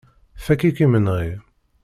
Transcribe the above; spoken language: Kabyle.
Fakk-ik imenɣi.